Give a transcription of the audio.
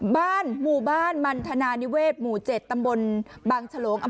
บ้านหมู่บ้านมัณฑณานิเวษมู๗ตำบลบางฉโลง